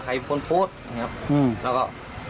ใครคนโพสแล้วก็